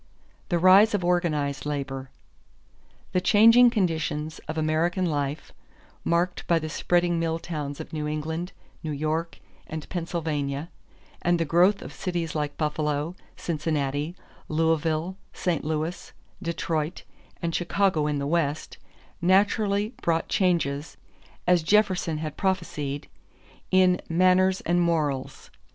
=The Rise of Organized Labor.= The changing conditions of American life, marked by the spreading mill towns of New England, New York, and Pennsylvania and the growth of cities like Buffalo, Cincinnati, Louisville, St. Louis, Detroit, and Chicago in the West, naturally brought changes, as Jefferson had prophesied, in "manners and morals."